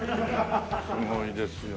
すごいですよ。